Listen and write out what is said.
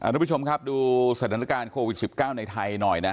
ทุกผู้ชมครับดูสถานการณ์โควิด๑๙ในไทยหน่อยนะ